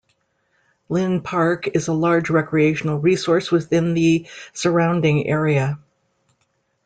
Linn Park is a large recreational resource within the surrounding area.